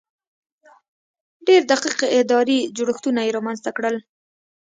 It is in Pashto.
ډېر دقیق اداري جوړښتونه یې رامنځته کړل.